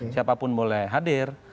siapapun boleh hadir